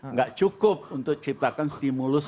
nggak cukup untuk ciptakan stimulus